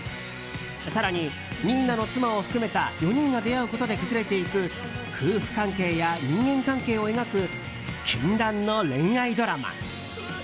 更に、新名の妻を含めた４人が出会うことで崩れていく夫婦関係や人間関係を描く禁断の恋愛ドラマ。